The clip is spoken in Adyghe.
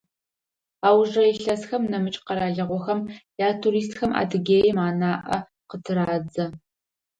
Аужрэ илъэсхэм нэмыкӏ къэралыгъохэм ятуристхэм Адыгеим анаӏэ къытырадзэ.